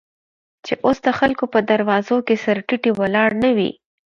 چې اوس دخلکو په دروازو، کې سر تيټى ولاړ نه وې.